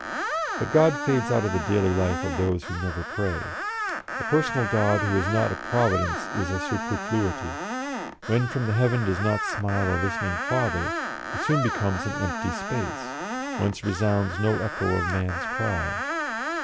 But God fades out of the daily life of those who never pray; a personal God who is not a Providence is a superfluity; when from the heaven does not smile a listening Father, it soon becomes an empty space, whence resounds no echo of man's cry.